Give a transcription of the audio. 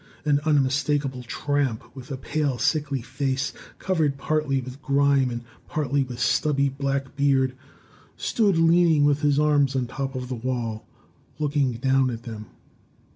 An unmistakable tramp, with a pale, sickly face, covered partly with grime and partly with stubby black beard, stood leaning with his arms on top of the wall, looking down at them.